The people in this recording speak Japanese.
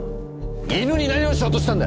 犬に何をしようとしたんだ！